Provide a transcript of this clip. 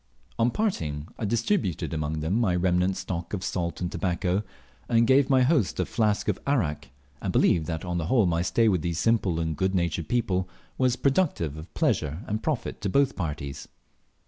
On parting, I distributed among them my remnant stock of salt and tobacco, and gave my host a flask of arrack, and believe that on the whole my stay with these simple and good natured people was productive of pleasure and profit to both parties.